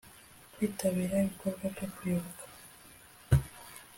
Kwitabira ibikorwa byo kwibuka